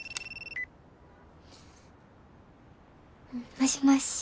もしもし。